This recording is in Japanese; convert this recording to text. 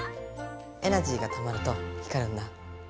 エナジーがたまると光るんだ。